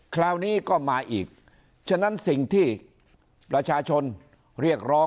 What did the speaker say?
คราวนี้ก็มาอีกฉะนั้นสิ่งที่